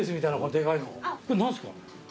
これ何すか？